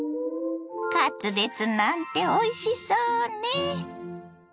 カツレツなんておいしそうね。